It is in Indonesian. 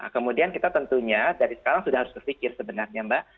kemudian kita tentunya dari sekarang sudah harus berpikir sebenarnya mbak